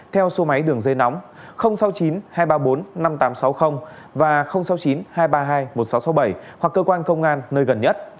theo số máy đường dây nóng sáu mươi chín hai trăm ba mươi bốn năm nghìn tám trăm sáu mươi và sáu mươi chín hai trăm ba mươi hai một nghìn sáu trăm sáu mươi bảy hoặc cơ quan công an nơi gần nhất